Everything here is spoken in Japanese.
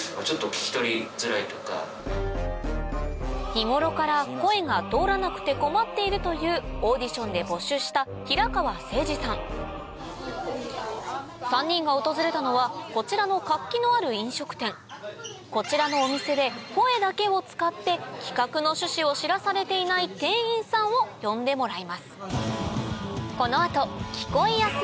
日頃から声が通らなくて困っているというオーディションで募集した３人が訪れたのはこちらの活気のある飲食店こちらのお店で声だけを使って企画の趣旨を知らされていない店員さんを呼んでもらいます